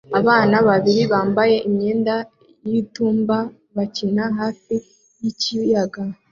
Abana babiri bambaye imyenda y'itumba bakina hafi yikiyaga